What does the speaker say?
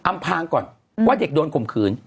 พางก่อนว่าเด็กโดนข่มขืน